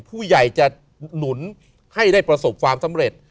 ผู้ใหญ่จะหนุนให้ได้ประสบความสำเร็จ